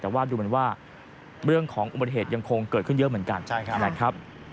แต่ว่าดูเหมือนว่าเรื่องของอุบัติเหตุยังคงเกิดขึ้นเยอะเหมือนกันนะครับ